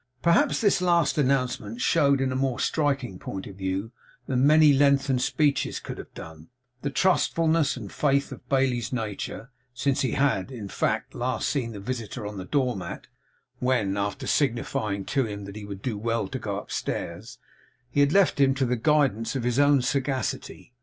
Perhaps this last announcement showed in a more striking point of view than many lengthened speeches could have done, the trustfulness and faith of Bailey's nature; since he had, in fact, last seen the visitor on the door mat, where, after signifying to him that he would do well to go upstairs, he had left him to the guidance of his own sagacity.